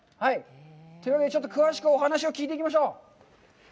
というわけで、詳しくお話を聞いていきましょう。